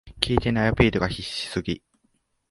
効いてないアピールが必死すぎ